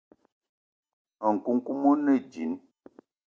Nkoukouma one djinn.